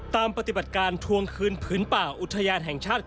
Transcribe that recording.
ปฏิบัติการทวงคืนผืนป่าอุทยานแห่งชาติ